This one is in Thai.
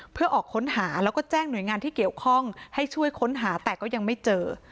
เพื่อออกค้นหาแล้วก็แจ้งหน่วยงานที่เกี่ยวข้องให้ช่วยค้นหาแต่ก็ยังไม่เจอ